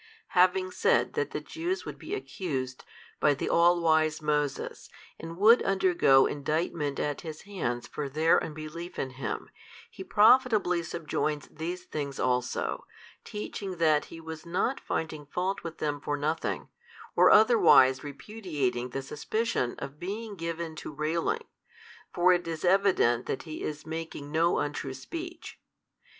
Having said that the Jews would be accused by the all wise Moses, and would undergo indictment at his hands for their unbelief in Him; He profitably subjoins these things also, teaching that He was not finding fault with them for nothing, or otherwise repudiating the suspicion of being given to railing, for it is evident that He is making no untrue speech.